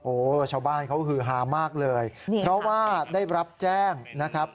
โอ้โหชาวบ้านเขาฮือฮามากเลยเพราะว่าได้รับแจ้งนะครับ